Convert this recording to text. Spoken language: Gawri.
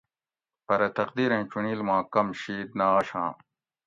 پرہ تقدیریں چُنڑیل ما کم شِید نہ آشاں